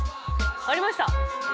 ありました。